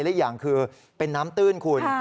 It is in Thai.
และอีกอย่างคือเป็นน้ำตื้นคุณ